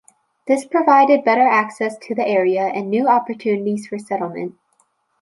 This provided better access to the area and new opportunities for settlement.